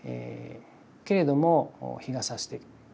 けれども日がさしてきたと。